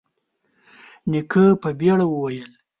نيکه په بيړه وويل: